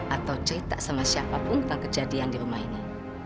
atau cerita sama siapapun tentang kejadian di rumah ini